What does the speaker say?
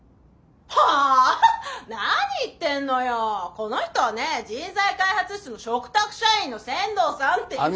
この人はね人材開発室の嘱託社員の千堂さんっていって。